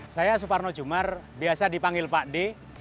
saya suparno jumar biasa dipanggil pak d